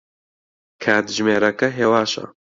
کاتژمێرەکە هێواشە.